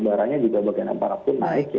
baranya juga bagian apa pun naik